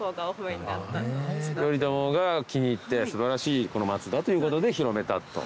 頼朝が気に入って素晴らしい松だということで広めたと。